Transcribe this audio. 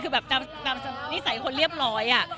คือแบบตามนิสัยคนเรียบร้อย